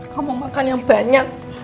kamu makan yang banyak